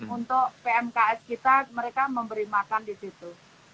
untuk pmks kita mereka memberi makan disitu